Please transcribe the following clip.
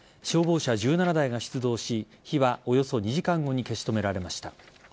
消防車１７台が出動し火は、およそ２時間後に消し止められました。